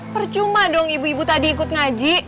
percuma dong ibu ibu tadi ikut ngaji